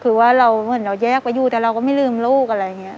คือว่าเราเหมือนเราแยกไปอยู่แต่เราก็ไม่ลืมลูกอะไรอย่างนี้